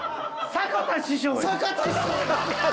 坂田師匠。